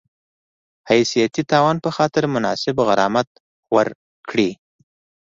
حیثیتي تاوان په خاطر مناسب غرامت ورکړي